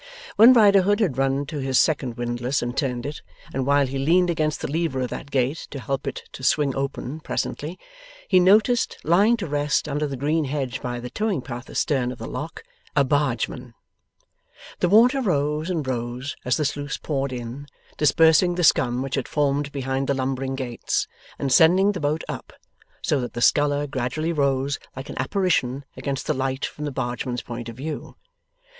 When Riderhood had run to his second windlass and turned it, and while he leaned against the lever of that gate to help it to swing open presently, he noticed, lying to rest under the green hedge by the towing path astern of the Lock, a Bargeman. The water rose and rose as the sluice poured in, dispersing the scum which had formed behind the lumbering gates, and sending the boat up, so that the sculler gradually rose like an apparition against the light from the bargeman's point of view.